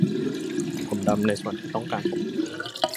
ถมดำในส่วนที่ต้องการปกปิด